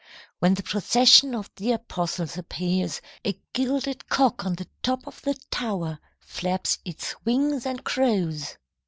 When the procession of the apostles appears, a gilded cock on the top of the tower flaps its wings and crows.